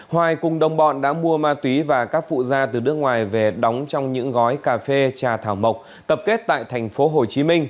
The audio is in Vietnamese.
hoài cùng đồng bọn đã mua ma túy và các phụ gia từ nước ngoài về đóng trong những gói cà phê trà thảo mộc tập kết tại tp hcm